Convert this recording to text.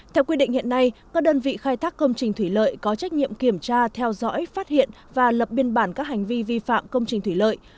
theo quy định hiện nay các đơn vị khai thác công trình thủy lợi có trách nhiệm kiểm tra theo dõi phát hiện và lập biên bản các hành vi vi phạm công trình thủy lợi